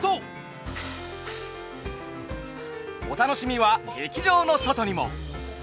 お楽しみは劇場の外にも。